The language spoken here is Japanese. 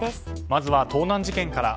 まずは盗難事件から。